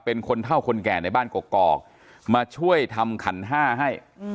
เป็นคนเท่าคนแก่ในบ้านกกอกมาช่วยทำขันห้าให้